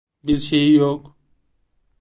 Birşeyi yok.